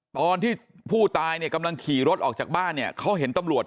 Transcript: ตอนที่ผู้ตายเนี่ยกำลังขี่รถออกจากบ้านเนี่ยเขาเห็นตำรวจ